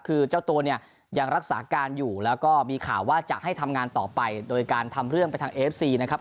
คือเจ้าตัวเนี่ยยังรักษาการอยู่แล้วก็มีข่าวว่าจะให้ทำงานต่อไปโดยการทำเรื่องไปทางเอฟซีนะครับ